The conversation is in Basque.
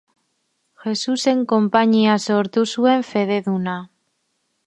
Jesusen Konpainia sortu zuen fededuna.